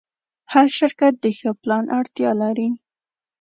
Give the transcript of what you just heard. هر شرکت د ښه پلان اړتیا لري.